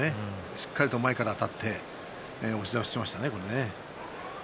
しっかりと前からあたって押し出しましたね。